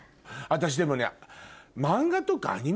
私でもね。